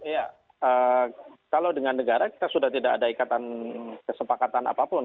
ya kalau dengan negara kita sudah tidak ada ikatan kesepakatan apapun